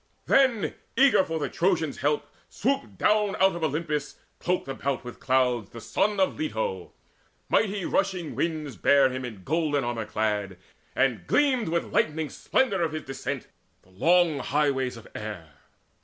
Then, eager for the Trojans' help, swooped down Out of Olympus, cloaked about with clouds, The son of Leto. Mighty rushing winds Bare him in golden armour clad; and gleamed With lightning splendour of his descent the long Highways of air.